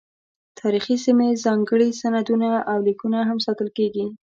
تاریخي سیمې، ځانګړي سندونه او لیکونه هم ساتل کیږي.